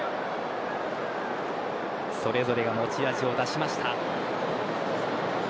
それぞれが持ち味を出しました。